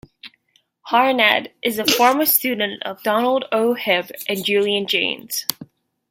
Harnad is a former student of Donald O. Hebb and Julian Jaynes.